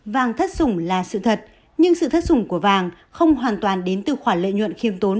vàng thất sùng là sự thật nhưng sự thất dùng của vàng không hoàn toàn đến từ khoản lợi nhuận khiêm tốn